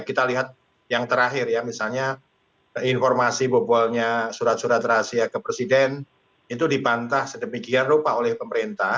kita lihat yang terakhir ya misalnya informasi bobolnya surat surat rahasia ke presiden itu dibantah sedemikian rupa oleh pemerintah